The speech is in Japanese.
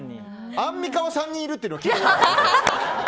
アンミカは３人いるっていうのは聞いたことありますけど。